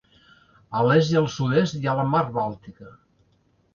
A l'est i al sud-est hi ha la mar Bàltica.